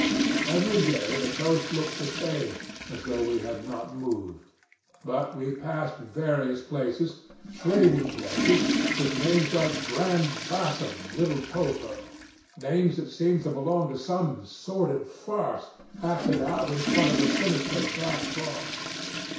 Every day the coast looked the same, as though we had not moved; but we passed various places trading places with names like Gran' Bassam Little Popo, names that seemed to belong to some sordid farce acted in front of a sinister backcloth.